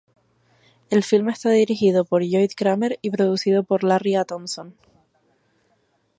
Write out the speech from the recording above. El film está dirigido por Lloyd Kramer y producido por Larry A. Thompson.